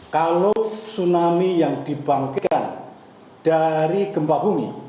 kalau tsunami yang dibangkitkan dari gempa bumi